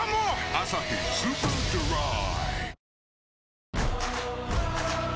「アサヒスーパードライ」